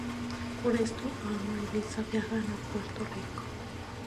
Por esto, Homer y Lisa viajan a Puerto Rico.